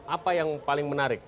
apa yang paling menarik